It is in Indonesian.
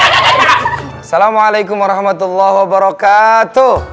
assalamualaikum warahmatullahi wabarakatuh